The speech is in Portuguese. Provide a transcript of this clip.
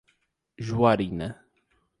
Juarina